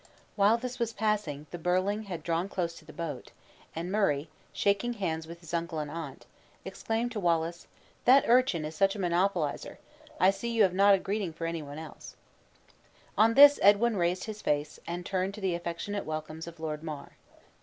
While this was passing, the birling had drawn close to the boat; and Murray, shaking hands with his uncle and aunt, exclaimed to Wallace, "That urchin is such a monopolizer, I see you have not a greeting for any one else." On this Edwin raised his face, and turned to the affectionate welcomes of Lord Mar.